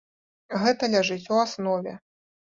Гэта ляжыць у аснове.